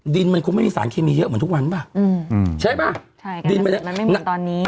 ดินมันคงไม่มีสารเคมีเยอะเหมือนทุกวันป่ะอืมใช่ป่ะใช่ดินมันไม่หนักตอนนี้